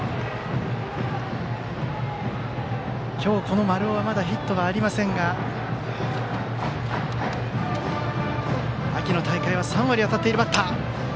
今日、この丸尾はまだヒットがありませんが秋の大会は３割当たっているバッター。